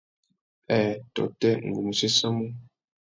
Nhêê tôtê, ngu mú séssamú.